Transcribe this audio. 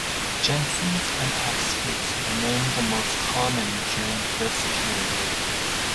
Jensens and Oxfords remained the most common during this period.